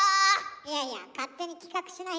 いやいや勝手に企画しないで。